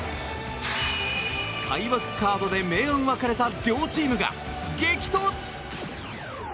開幕カードで明暗分かれた両チームが激突！